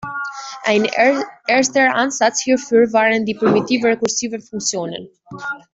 Ein erster Ansatz hierfür waren die primitiv-rekursiven Funktionen.